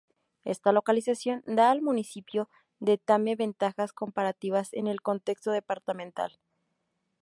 Esta localización da al municipio de Tame ventajas comparativas en el contexto departamental.